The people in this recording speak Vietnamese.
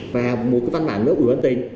và một cái văn bản nữa của quản lý tế